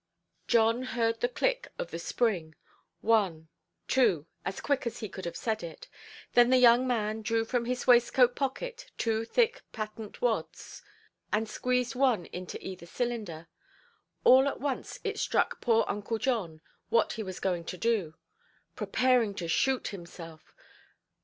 John heard the click of the spring—one, two, as quick as he could have said it. Then the young man drew from his waistcoat–pocket two thick patent wads, and squeezed one into either cylinder. All at once it struck poor "Uncle John" what he was going to do. Preparing to shoot himself!